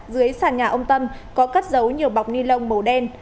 dưới sàn nhà ông tâm có cắt dấu nhiều bọc ni lông màu đen